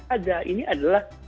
ada ini adalah